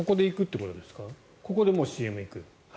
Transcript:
ここでＣＭに行く。